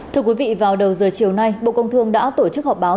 thưa quý vị vào đầu giờ chiều nay bộ công thương đã tổ chức họp báo